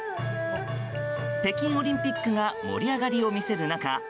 北京オリンピックが盛り上がりを見せる中